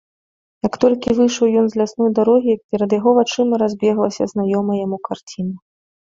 Як толькі выйшаў ён з лясной дарогі, перад яго вачыма разбеглася знаёмая яму карціна.